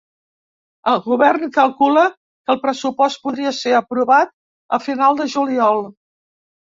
El govern calcula que el pressupost podria ser aprovat a final de juliol.